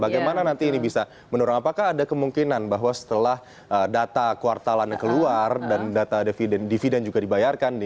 bagaimana nanti ini bisa mendorong apakah ada kemungkinan bahwa setelah data kuartalannya keluar dan data dividen juga dibayarkan